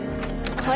はい。